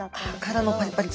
殻のパリパリ。